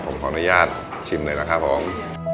ผมขออนุญาตชิมเลยนะครับพระองค์